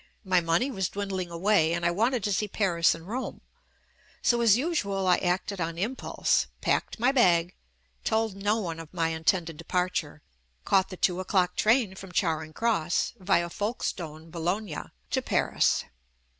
My money was dwindling away and I wanted to see Paris and Rome, so as usual I acted on impulse, packed my bag, told no one of my intended departure, caught the two o'clock train from Charing Cross via Folk stone Boulogne to Paris.